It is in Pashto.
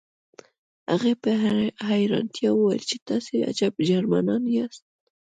هغې په حیرانتیا وویل چې تاسې عجب جرمنان یاست